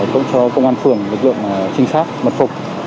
cũng cho công an phường lực lượng trinh sát mật phục